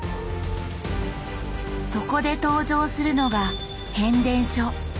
そこで登場するのが変電所。